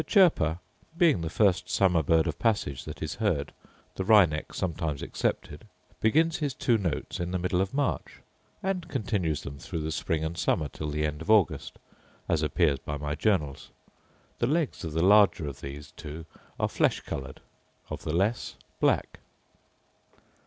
The chirper (being the first summer bird of passage that is heard, the wryneck sometimes excepted) begins his two notes in the middle of March, and continues them through the spring and summer till the end of August, as appears by my journals. The legs of the larger of these two are flesh coloured; of the less, black.